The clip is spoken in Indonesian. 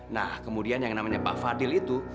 nah kemudian yang namanya pak fadil itu